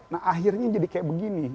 nah akhirnya jadi kayak begini